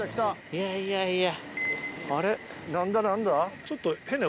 いやいやいや。